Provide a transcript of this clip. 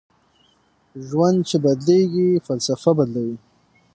ژوند چې بدلېږي فلسفه بدلوي